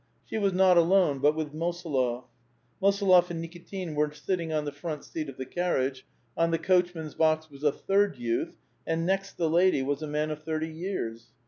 3he was not alone, but with Mosolof. Mosolof and Nikitin were sitting on the front seat of the carriage ; on the coach man's box was a third youth, and next the lady was a man of thirty years.